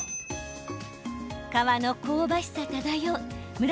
皮の香ばしさ漂う村